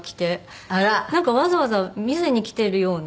なんかわざわざ見せに来てるような。